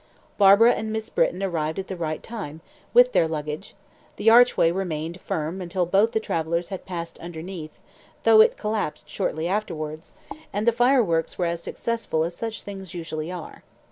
Barbara and Miss Britton arrived at the right time, with their luggage; the archway remained firm until both the travellers had passed underneath (though it collapsed shortly afterwards); and the fireworks were as successful as such things usually are.